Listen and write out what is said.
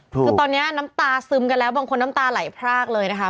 คือตอนนี้น้ำตาซึมกันแล้วบางคนน้ำตาไหลพรากเลยนะคะ